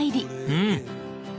うん。